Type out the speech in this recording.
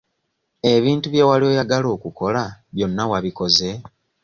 Ebintu bye wali oyagala okukola byonna wabikoze?